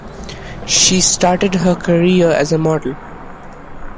She started her career as a model.